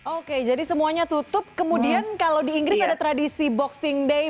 oke jadi semuanya tutup kemudian kalau di inggris ada tradisi boxing day